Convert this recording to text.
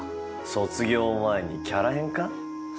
卒業前にキャラ変か？